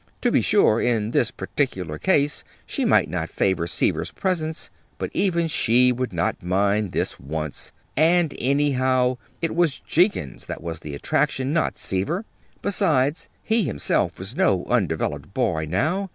To be sure, in this particular case, she might not favor Seaver's presence, but even she would not mind this once and, anyhow, it was Jenkins that was the attraction, not Seaver. Besides, he himself was no undeveloped boy now.